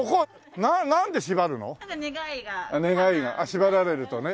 しばられるとね。